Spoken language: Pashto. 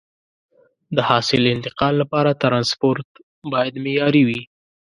د حاصل انتقال لپاره ترانسپورت باید معیاري وي.